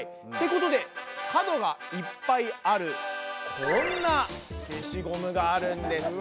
ってことで角がいっぱいあるこんな消しゴムがあるんです。